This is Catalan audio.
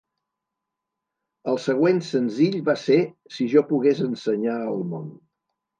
El següent senzill va ser "Si jo pogués ensenyar el món".